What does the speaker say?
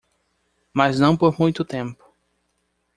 Mas não por muito tempo.